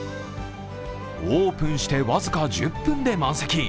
オープンして僅か１０分で満席。